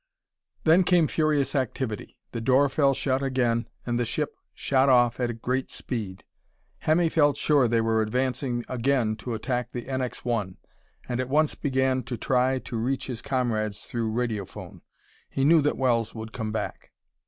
Then came furious activity. The door fell shut again, and the ship shot off at great speed. Hemmy felt sure that they were advancing to again attack the NX 1, and at once began to try to reach his comrades through radiophone. He knew that Wells would come back.